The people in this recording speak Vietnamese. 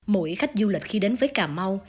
mỗi khách du lịch khi đến với cà mau